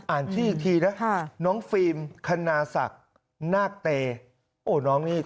อ่านชื่ออีกทีนะน้องฟิล์มคณาศักดิ์นาคเตโอ้น้องนี่